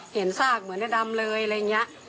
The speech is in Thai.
ซากเหมือนในดำเลยอะไรอย่างนี้